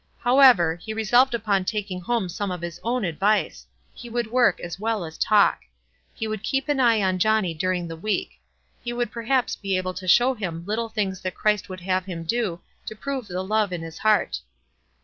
However, he resolved upon taking home some of his own advice. He would work as well as talk. He would keep an eye on Johnny during the week. He would perhaps be able to show him little things that Christ would have him do to prove the love in his heart.